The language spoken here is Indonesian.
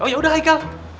oh yaudah haikal